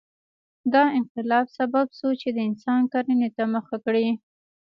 دا انقلاب سبب شو چې انسان کرنې ته مخه کړي.